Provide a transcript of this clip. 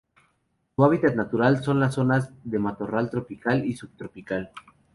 Su hábitat natural son las zonas de matorral tropical y subtropical.